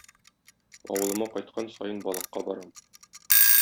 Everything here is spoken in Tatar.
Авылыма кайткан саен балыкка барам.